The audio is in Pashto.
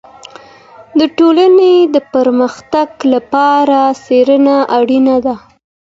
د ټولني د پرمختګ لپاره څېړنه اړینه ده.